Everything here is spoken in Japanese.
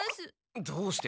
どうして？